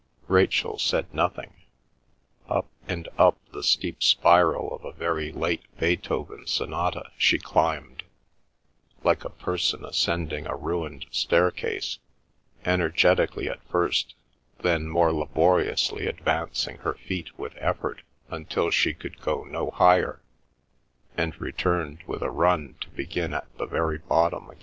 Rachel said nothing. Up and up the steep spiral of a very late Beethoven sonata she climbed, like a person ascending a ruined staircase, energetically at first, then more laboriously advancing her feet with effort until she could go no higher and returned with a run to begin at the very bottom again.